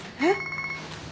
えっ？